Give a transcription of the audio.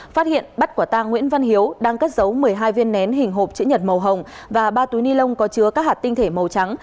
phát hiện bắt quả tang nguyễn văn hiếu đang cất giấu một mươi hai viên nén hình hộp chữ nhật màu hồng và ba túi ni lông có chứa các hạt tinh thể màu trắng